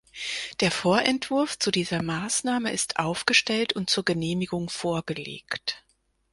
Der Vorentwurf zu dieser Maßnahme ist aufgestellt und zur Genehmigung vorgelegt.